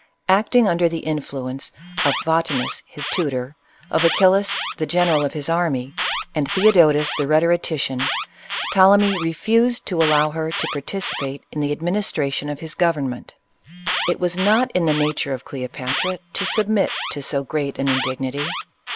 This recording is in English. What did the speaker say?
Acting under the advice of Photi nus, his tutor, of Achillas, the general of his army, and Thcodotus, the rhetorician, Ptolemy refused to allow her to participate in the administration of the government It was not in the nature of Cleopatra to submit to so great an indignity.